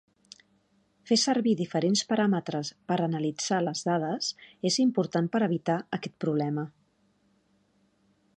Fer servir diferents paràmetres per analitzar les dades és important per evitar aquest problema.